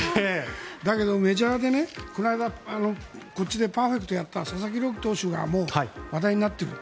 だけど、メジャーでこの間こっちでパーフェクトをやった佐々木朗希投手が話題になっている。